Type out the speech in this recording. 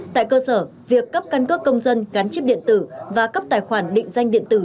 tại cơ sở việc cấp căn cước công dân gắn chip điện tử